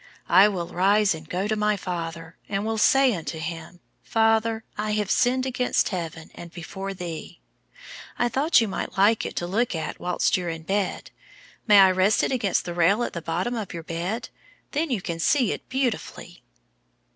'I will arise and go to my father, and will say unto him, Father, I have sinned against Heaven, and before thee.' I thought you would like it to look at while you are in bed. May I rest it against the rail at the bottom of your bed? then you can see it beautifully."